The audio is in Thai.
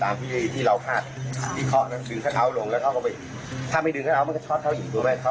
มีคนโดยโยนน้ำซึ่งคนเดียวทำไม่ได้แน่นอน